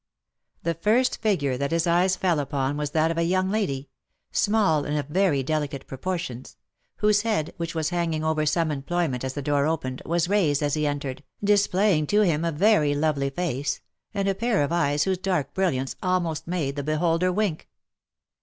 The first figure that his eyes fell upon was that of a young lady — small, and of very delicate proportions — whose head, which was hang ing over some employment as the door opened, was raised as he entered, displaying to him a very lovely face, and a pair of eyes whose dark brilliance almost made the beholder wink.